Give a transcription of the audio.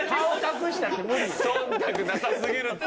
忖度なさすぎるって。